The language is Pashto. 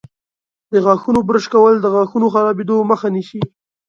د غاښونو برش کول د غاښونو خرابیدو مخه نیسي.